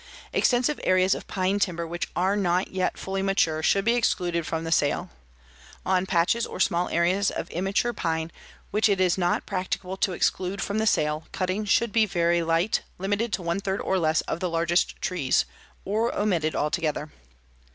"Extensive areas of pine timber which are not yet fully mature should be excluded from the sale. On patches or small areas of immature pine, which it is not practicable to exclude from the sale, cutting should be very light, limited to one third or less of the largest trees, or omitted altogether.